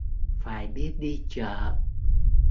Phải biết đi chợ